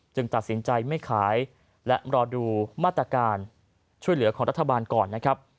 ตัดสินใจไม่ขายและรอดูมาตรการช่วยเหลือของรัฐบาลก่อนนะครับ